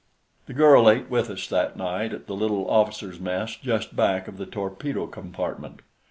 The girl ate with us that night at the little officers' mess just back of the torpedo compartment.